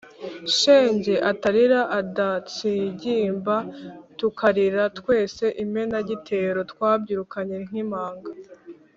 shenge atarira, adatsigimba tukarira tweseimenagitero twabyirukanye nk’impanga